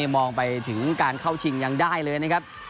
มองไปถึงการเข้าชิงยังได้เลยนะครับ